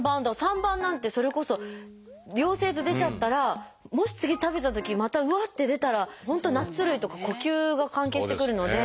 ３番なんてそれこそ陽性と出ちゃったらもし次食べたときまたうわって出たら本当ナッツ類とか呼吸が関係してくるので。